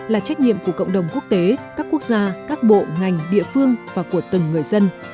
là trách nhiệm của cộng đồng quốc tế các quốc gia các bộ ngành địa phương và của từng người dân